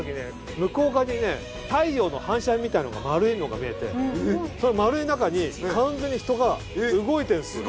向こう側にね太陽の反射みたいなのが丸いのが見えてその丸い中に完全に人が動いてんすよ。